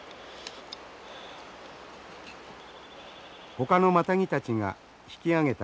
ほかのマタギたちが引き揚げた